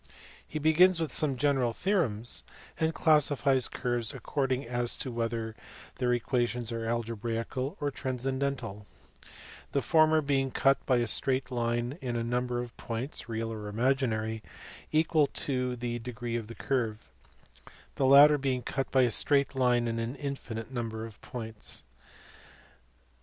He begins with some general theorems, and classifies curves according as to whether their equations are alge braical or transcendental : the former being cut by a straight line in a number of points (real or imaginary) equal to the degree of the curve, the latter being cut by a straight line in an infinite number of points.